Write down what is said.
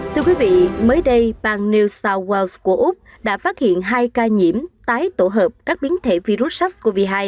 thưa quý vị mới đây bang new south walls của úc đã phát hiện hai ca nhiễm tái tổ hợp các biến thể virus sars cov hai